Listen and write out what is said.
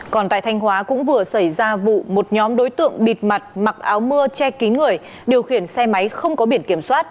còn tại thanh hóa cũng vừa xảy ra vụ một nhóm đối tượng bịt mặt mặc áo mưa che kín người điều khiển xe máy không có biển kiểm soát